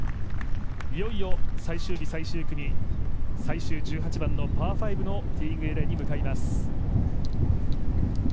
いよいよ最終日最終組、最終１８番パー５のティーイングエリアに向かいます。